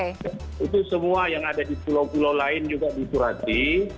itu semua yang ada di pulau pulau lain juga disurati